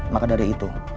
maka dari itu